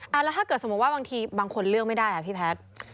แล้วถ้าเกิดสมมุติว่าบางทีบางคนเลือกไม่ได้อ่ะพี่แพทย์